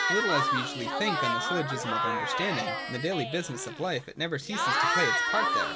Little as we usually think on the Syllogism of Under standing in the daily business of life, it never ceases to play its part there.